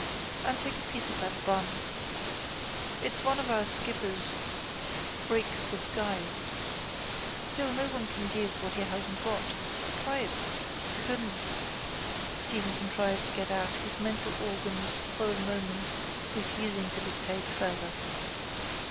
And take a piece of that bun. It's like one of our skipper's bricks disguised. Still no one can give what he hasn't got. Try a bit. —Couldn't, Stephen contrived to get out, his mental organs for the moment refusing to dictate further.